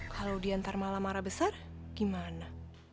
kalau dia nanti malah marah besar gimana